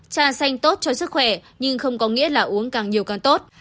cha xanh tốt cho sức khỏe nhưng không có nghĩa là uống càng nhiều càng tốt